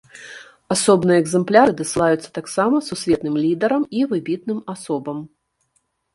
Асобныя экзэмпляры дасылаюцца таксама сусветным лідарам і выбітным асобам.